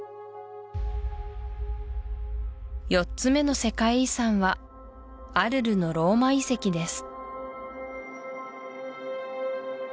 ４つ目の世界遺産はアルルのローマ遺跡です